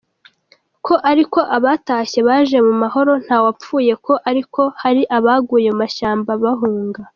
ko ariko abatashye baje mumahoro ntawapfuye ko ariko hari abaguye mumashyamba bahunga.